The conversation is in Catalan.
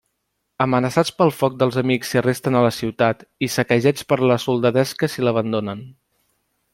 Amenaçats pel foc dels amics si resten a la ciutat, i saquejats per la soldadesca si l'abandonen.